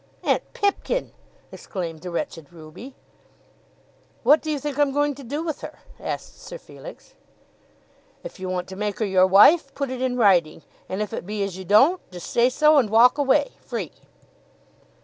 "Aunt Pipkin!" exclaimed the wretched Ruby. "What do you think I'm going to do with her?" asked Sir Felix. "If you want to make her your wife, put it in writing. And if it be as you don't, just say so, and walk away, free."